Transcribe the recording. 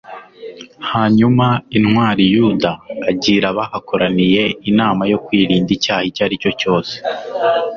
hanyuma intwari yuda agira abahakoraniye inama yo kwirinda icyaha icyo ari cyo cyose